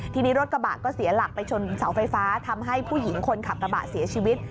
ทีนี้รถกระบะก็เสียหลักไปชนเสาไฟฟ้าทำให้ผู้หญิงคนขับกระบะเสียชีวิต